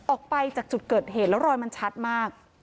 ออกไปจากจุดเกิดเหตุแล้วรอยมันชัดมาก